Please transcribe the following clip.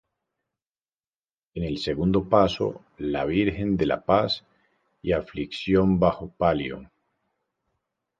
En el segundo paso, la Virgen de la Paz y Aflicción bajo palio.